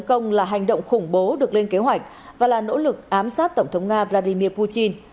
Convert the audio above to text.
công là hành động khủng bố được lên kế hoạch và là nỗ lực ám sát tổng thống nga vladimir putin